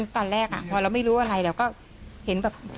ตอนแรกพอเราไม่รู้อะไรเราก็เห็นแบบ